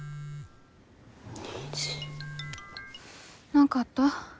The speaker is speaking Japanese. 何かあった？